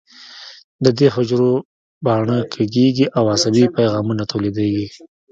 د دې حجرو باڼه کږېږي او عصبي پیغامونه تولیدېږي.